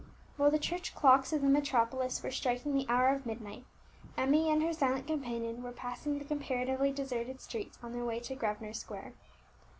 While the church clocks of the metropolis were striking the hour of midnight, Emmie and her silent companion were passing the comparatively deserted streets on their way to Grosvenor Square.